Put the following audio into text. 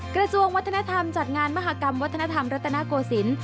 กระทรวงวัฒนธรรมจัดงานมหากรรมวัฒนธรรมรัตนโกศิลป์